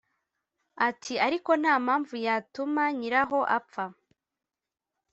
ati"ariko ntampamvu yatuma nyiraho apfa